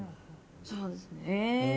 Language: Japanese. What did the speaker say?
そうですね。